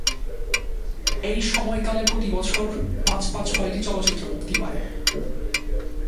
এই সময়কালে প্রতি বছর পাঁচ বা ছয়টি চলচ্চিত্র মুক্তি পায়।